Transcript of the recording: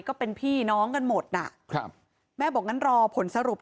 ก็เป็นพี่น้องกันหมดน่ะครับแม่บอกงั้นรอผลสรุป